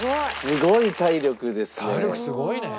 すごい体力ですね。